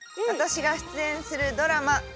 私が出演するドラマ